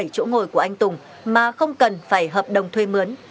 bảy chỗ ngồi của anh tùng mà không cần phải hợp đồng thuê mướn